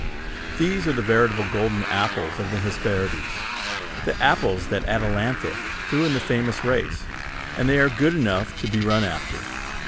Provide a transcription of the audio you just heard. These are the veritable golden apples of the Hesperides, the apples that Atalanta threw in the famous race; and they are good enough to be run after.